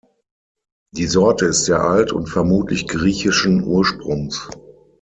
Die Sorte ist sehr alt und vermutlich griechischen Ursprungs.